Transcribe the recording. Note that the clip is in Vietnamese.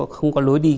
không có lối đi